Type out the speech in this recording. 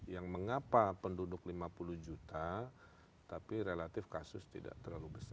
yang mengapa penduduk lima puluh juta tapi relatif kasus tidak terlalu besar